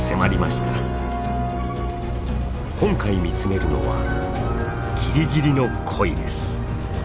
今回見つめるのはギリギリの恋です。